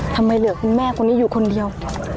ทำไมเหลือคุณแม่คนนี้อยู่คนเดียว